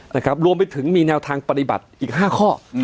นะครับรวมไปถึงมีแนวทางปฏิบัติอีก๕ข้อ